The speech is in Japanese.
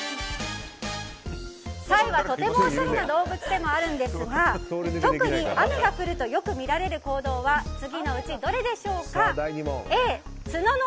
サイはとてもおしゃれな動物でもあるんですが特に雨が降るとよく見られる行動は問題です。